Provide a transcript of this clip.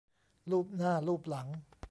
ลูบหน้าลูบหลัง